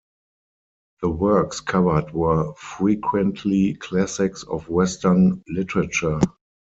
The works covered were frequently classics of Western literature.